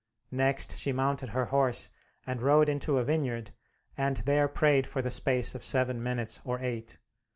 Next she mounted her horse and rode into a vineyard, and there prayed for the space of seven minutes or eight.